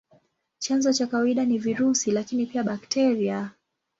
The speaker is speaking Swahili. Chanzo cha kawaida ni virusi, lakini pia bakteria.